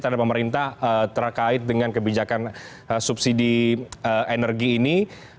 tanda pemerintah terkait dengan kebijakan subsidi energi ini